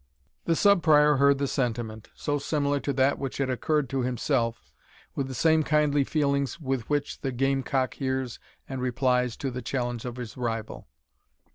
The Sub Prior heard the sentiment, so similar to that which had occurred to himself, with the same kindly feelings with which the game cock hears and replies to the challenge of his rival.